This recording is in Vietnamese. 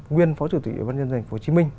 nguyên phó chủ tịch ủy ban nhân dân hồ chí minh